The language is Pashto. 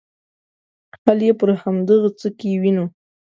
حل یې پر همدغه څه کې وینو.